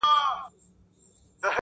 څه غزل غزل راګورې څه ټپه ټپه ږغېږې,